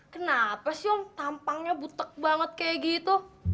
kenapa sih om tampangnya butek banget kayak gitu